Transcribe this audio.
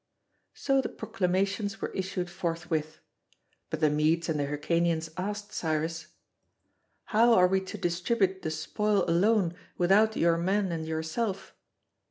So the proclamations were issued forthwith. But the Medes and the Hyrcanians asked Cyrus: "How are we to distribute the spoil alone, without your men and yourself?"